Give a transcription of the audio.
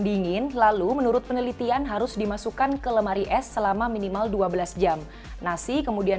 dingin lalu menurut penelitian harus dimasukkan ke lemari es selama minimal dua belas jam nasi kemudian